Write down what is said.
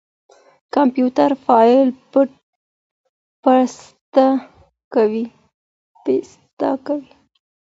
کمپيوټر فايل پېسټ کوي.